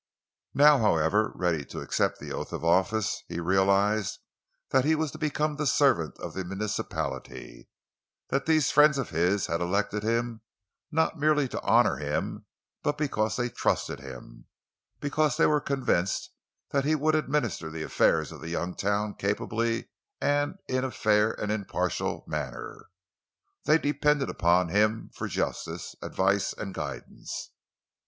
Now, however, ready to accept the oath of office, he realized that he was to become the servant of the municipality; that these friends of his had elected him not merely to honor him but because they trusted him, because they were convinced that he would administer the affairs of the young town capably and in a fair and impartial manner. They depended upon him for justice, advice, and guidance.